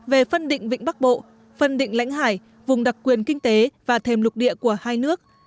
về phân định vịnh bắc bộ phân định lãnh hải vùng đặc quyền kinh tế và thềm lục địa của hai nước